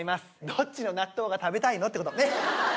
どっちの納豆が食べたいのってね。